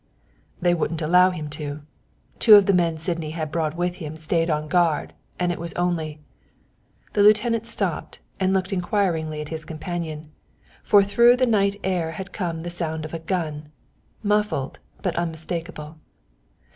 "They wouldn't allow him to. Two of the men Sydney had brought with him stayed on guard, and it was only " The lieutenant stopped and looked inquiringly at his companion, for through the night air had come the sound of a gun, muffled, but unmistakable.